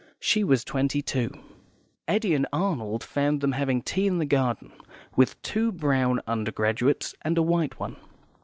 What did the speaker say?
She was twenty two. Eddy and Arnold found them having tea in the garden, with two brown undergraduates and a white one.